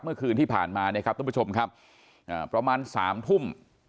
เมื่อคืนที่ผ่านมาเนี่ยครับทุกผู้ชมครับประมาณ๓ทุ่ม